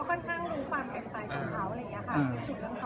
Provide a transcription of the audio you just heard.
ก็ถ้าเค้าไปเดตกับใคร